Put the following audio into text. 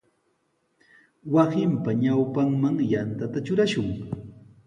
Wasinpa ñawpanman yanta trurashun.